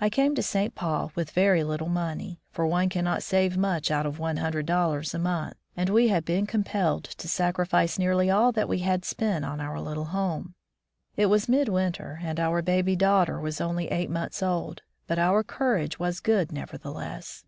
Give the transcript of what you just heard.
I came to St. Paul with very little money, for one can not save much out of one hundred dollars a month, and we had been compelled to sacrifice nearly all that we had spent on our little home. It was midwinter, and our baby daughter was only eight months old; but our courage was good nevertheless.